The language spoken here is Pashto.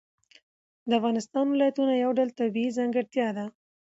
د افغانستان ولایتونه یو ډول طبیعي ځانګړتیا ده.